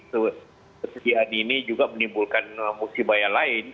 kesediaan ini juga menimbulkan musibah yang lain